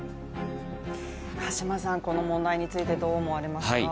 鹿島さん、この問題についてどう思われますか？